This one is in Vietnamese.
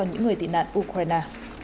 những người tị nạn ukraine